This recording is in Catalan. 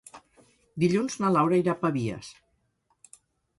Dilluns na Laura irà a Pavies.